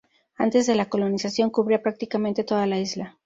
Antes de la colonización cubría prácticamente toda la isla.